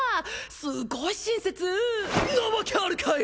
すごい親切なわけあるかい！